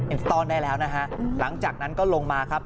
ตอนได้แล้วนะฮะหลังจากนั้นก็ลงมาครับ